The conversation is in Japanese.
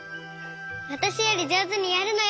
わたしよりじょうずにやるのよ！